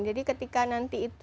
jadi ketika nanti itu